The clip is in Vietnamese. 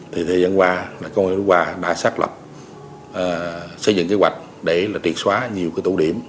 thời gian qua công an huyện đức hòa đã xác lập xây dựng kế hoạch để triệt xóa nhiều tổ điểm